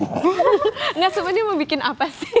enggak sebenarnya mau bikin apa sih